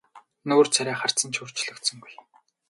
Нүүр царай харц нь ч өөрчлөгдсөнгүй.